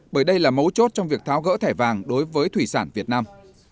bởi đây là mấu chốt trong việc tháo gỡ thẻ vàng đối với thủy sản việt nam